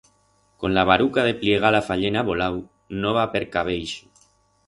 Con la baruca de pllegar la fayena volau, no va percaver ixo.